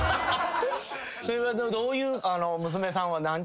それはどういう娘さんは何て。